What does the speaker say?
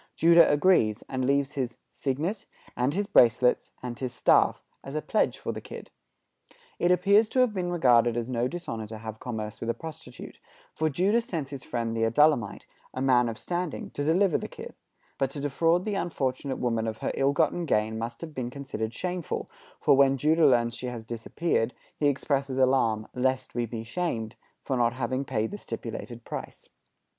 Judah agrees, and leaves his "signet, and his bracelets, and his staff" as a pledge for the kid. It appears to have been regarded as no dishonor to have commerce with a prostitute, for Judah sends his friend the Adullamite, a man of standing, to deliver the kid; but to defraud the unfortunate woman of her ill gotten gain must have been considered shameful, for, when Judah learns that she has disappeared, he expresses alarm "lest we be shamed" for not having paid the stipulated price.